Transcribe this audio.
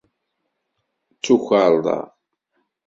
D tukerḍa.